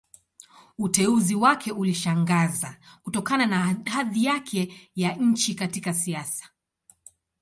Uteuzi wake ulishangaza, kutokana na hadhi yake ya chini katika siasa.